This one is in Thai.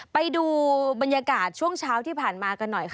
ไปดูบรรยากาศช่วงเช้าที่ผ่านมากันหน่อยค่ะ